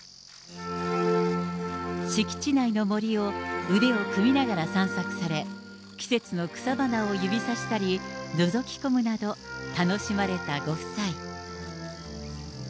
敷地内の森を腕を組みながら散策され、季節の草花を指さしたり、のぞき込むなど楽しまれたご夫妻。